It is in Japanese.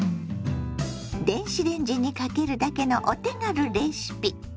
電子レンジにかけるだけのお手軽レシピ。